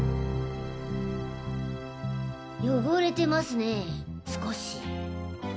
汚れてますね少し。